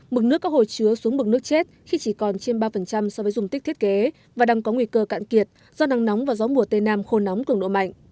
mực nước các hồ chứa xuống bực nước chết khi chỉ còn trên ba so với dùng tích thiết kế và đang có nguy cơ cạn kiệt do nắng nóng và gió mùa tây nam khô nóng cường độ mạnh